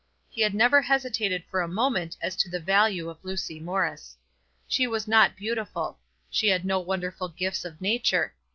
He had never hesitated for a moment as to the value of Lucy Morris. She was not beautiful. She had no wonderful gifts of nature.